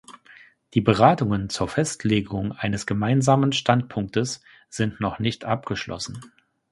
Die Beratungen zur Festlegung eines Gemeinsamen Standpunktes sind noch nicht abgeschlossen.